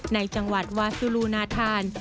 ในจังหวัดวาซูลูนาธาน